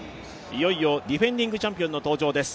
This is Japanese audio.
いよいよディフェンディングチャンピオンの登場です。